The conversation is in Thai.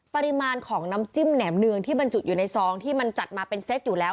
ปริมาณของน้ำจิ้มแหมเนืองที่บรรจุอยู่ในซองที่มันจัดมาเป็นเซตอยู่แล้ว